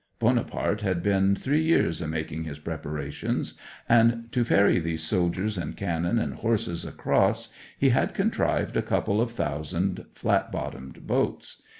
Bonaparte had been three years a making his preparations; and to ferry these soldiers and cannon and horses across he had contrived a couple of thousand flat bottomed boats.